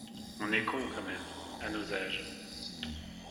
On est con, quand même. À nos âges…